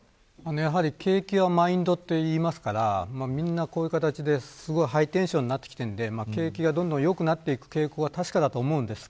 やはり景気はマインドといいますからみんな、こういう形でハイテンションになってきているので景気がどんどん良くなっていく傾向は確かだと思います。